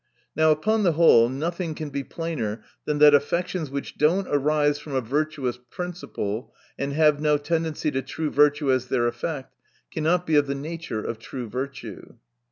Now upon the whole, nothing can be plainer than that affections which do not arise from a virtuous principle, and have no tendency to true virtue, as their effect, cannot be of the nature of true virtue.